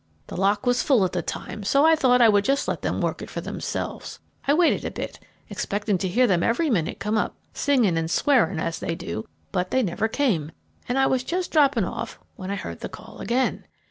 The lock was full at the time, so I thought I would just let them work it for themselves. I waited a bit, expecting to hear them every minute come up, singing and swearing as they do, but they never came, and I was just dropping off when I heard the call again.